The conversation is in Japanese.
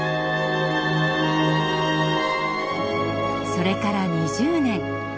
それから２０年。